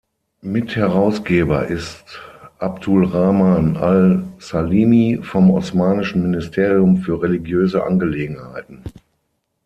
Mitherausgeber ist Abdulrahman Al-Salimi vom omanischen Ministerium für religiöse Angelegenheiten.